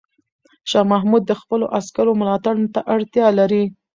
شاه محمود د خپلو عسکرو ملاتړ ته اړتیا لري.